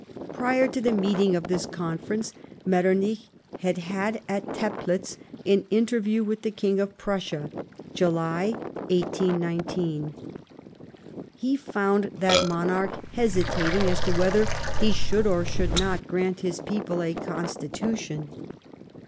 Prior to the meeting of this Conference, Metternich had had, at Teplitz, an interview with the King of Prussia (July, 181D). He found that monarch hesitating as to whether he should, or should not, grant his people a Constitution.